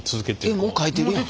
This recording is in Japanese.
えっもうかいてるやん。